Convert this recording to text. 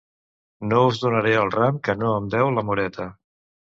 No us donaré el ram que no em deu l'amoreta.